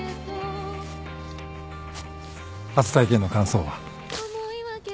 初体験の感想は？